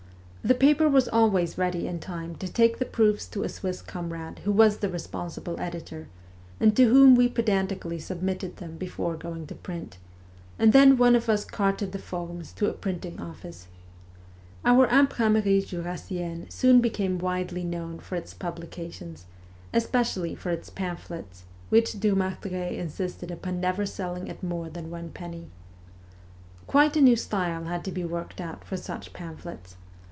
The paper was always ready in time to take the proofs to a Swiss comrade who was the responsible editor, and to whom we pedantically submitted them before going to print, and then one of us carted the formes to a printing office. Our Imprimerie Jurassienne soon became widely known for its publications, especially for its pamphlets, which Dumartheray insisted upon never selling at more than one penny. Quite a new style had to be worked out for such pamphlets.